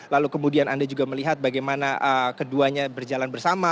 lalu kemudian anda juga melihat bagaimana keduanya berjalan bersama